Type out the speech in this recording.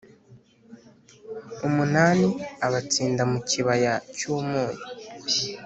umunani abatsinda mu Kibaya cy Umunyu